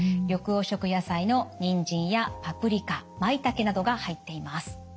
緑黄色野菜のにんじんやパプリカまいたけなどが入っています。